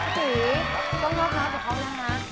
พี่ตีต้องเล่าข้าวของเขานะฮะ